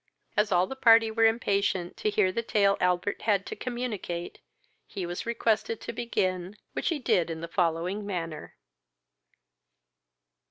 As all the party were impatient to hear the tale Albert had to communicate, he was requested to begin, which he did in the following manner.